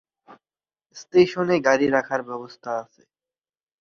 স্টেশনে গাড়ি রাখার ব্যবস্থা আছে।